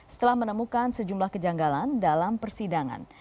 setelah menemukan sejumlah kejanggalan dalam persidangan